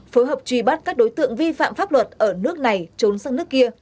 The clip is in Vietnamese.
phối hợp truy bắt các đối tượng vi phạm pháp luật ở nước này trốn sang nước kia